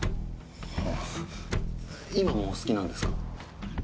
はぁ今も好きなんですか？